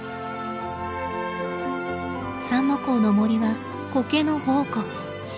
三之公の森はコケの宝庫。